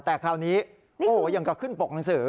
แต่คราวนี้โอ้โหยังก็ขึ้นปกหนังสือ